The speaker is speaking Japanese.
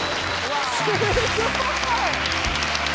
すごい。